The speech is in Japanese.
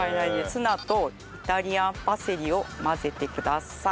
ツナとイタリアンパセリを混ぜてください。